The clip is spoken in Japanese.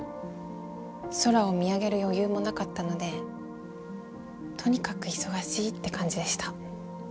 空を見上げる余裕もなかったのでとにかく忙しいって感じでした。